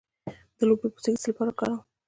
د لوبیا پوستکی د څه لپاره وکاروم؟